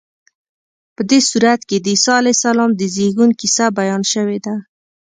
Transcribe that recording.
په دې سورت کې د عیسی علیه السلام د زېږون کیسه بیان شوې ده.